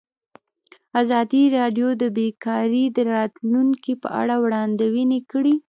ازادي راډیو د بیکاري د راتلونکې په اړه وړاندوینې کړې.